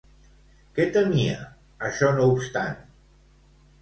Què temia, això no obstant?